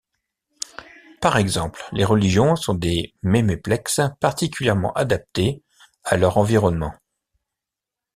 Par exemple, les religions sont des méméplexes particulièrement adaptés à leur environnement.